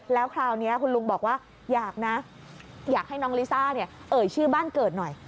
แล้วคราวนี้คุณลุงบอกว่าอยากนะอยากให้น้องลิซ่าเนี่ยเอ่ยชื่อบ้านเกิดหน่อย